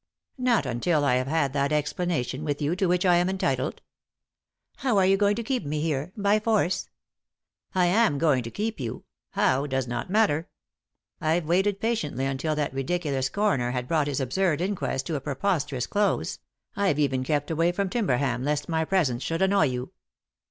" Not until I have had that explanation with you to which I am entitled." " How are you going to keep me here ? By force?" " I am going to keep you ; how does not matter. I've waited patiently until that ridiculous coroner had brought his absurd inquest to a preposterous close; I've even kept away from Timberham lest my presence should annoy you."